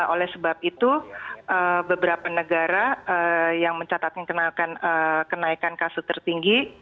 oleh sebab itu beberapa negara yang mencatatkan kenaikan kasus tertinggi